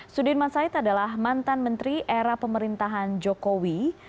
sudirman said adalah mantan menteri era pemerintahan jokowi